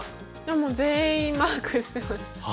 もう全員マークしてました。